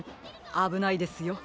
あぶないですよ。